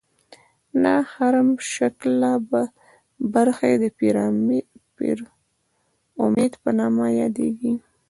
دا هرم شکله برخې د پیرامید په نامه یادیږي.